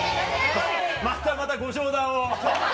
またまた、ご冗談を。